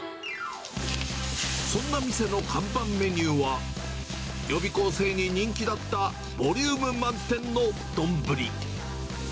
そんな店の看板メニューは、予備校生に人気だったボリューム満点の丼。